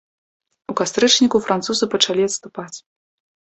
У кастрычніку французы пачалі адступаць.